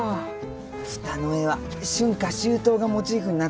ふたの絵は春夏秋冬がモチーフになってんだよね。